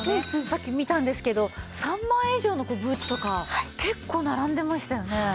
さっき見たんですけど３万円以上のブーツとか結構並んでましたよね。